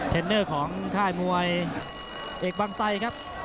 เนอร์ของค่ายมวยเอกบางไซครับ